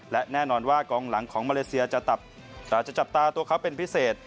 และแน่นอนว่ากองหลังของมาเลเซียจะจับตาตัวเขาเป็นพิเศษ